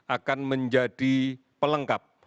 akan menjadi pelengkap